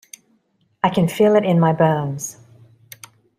I can feel it in my bones.